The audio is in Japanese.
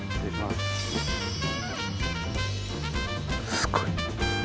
すごい。